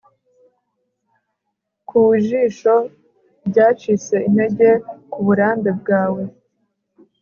ku jisho ryacitse intege kuburambe bwawe